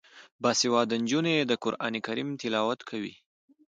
باسواده نجونې د قران کریم تلاوت کوي.